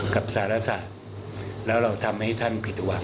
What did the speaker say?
กับสารศาสตร์แล้วเราทำให้ท่านผิดหวัง